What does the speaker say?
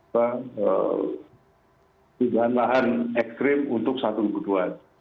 perubahan lahan ekstrim untuk satu kebutuhan